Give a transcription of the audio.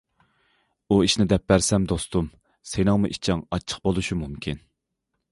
ئۇ ئىشنى دەپ بەرسەم دوستۇم سېنىڭمۇ ئىچىڭ ئاچچىق بولۇشى مۇمكىن.